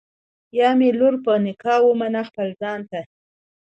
یا مي لور په نکاح ومنه خپل ځان ته